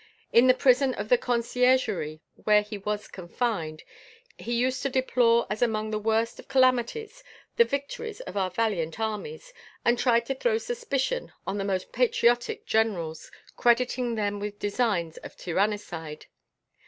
In the prison of the Conciergerie, where he was confined, he used to deplore as among the worst of calamities the victories of our valiant armies, and tried to throw suspicion on the most patriotic Generals, crediting them with designs of tyrannicide.